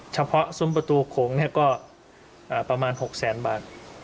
เฉพาะซุ้มประตูโขงก็ประมาณ๖๐๐๐๐๐บาท